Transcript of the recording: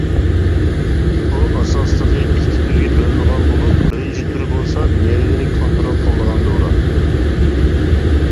بۇ ئاساسلىقى ئىككى تۈرگە بۆلۈنىدىغان بولۇپ، بىرىنچى تۈرى بولسا نېرۋىنى كونترول قىلىدىغان دورا.